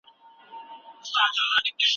ولي انسان له بل انسان سره نه تبادله کيږي؟